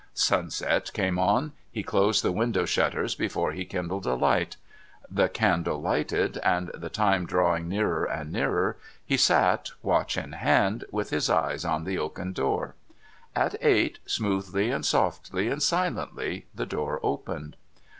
Sunset came on. He closed the window shutters before he kindled a light. The candle lighted, and the time drawing nearer and nearer, he sat, watch in hand, with his eyes on the oaken door. At eight, smoothly and softly and silently the door opened.